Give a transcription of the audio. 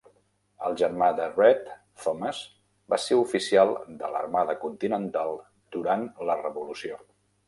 El germà de Read, Thomas, va ser oficial de l'armada continental durant la revolució.